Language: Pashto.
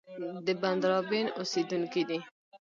د بندرابن اوسېدونکی دی.